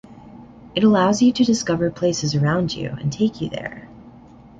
It allows you to discover places around you and take you there.